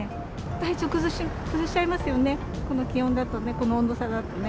体調崩しちゃいますよね、この気温だとね、この温度差だとね。